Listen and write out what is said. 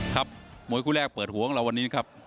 ครับมวยคู่แรกเปิดหัวของเราวันนี้ครับ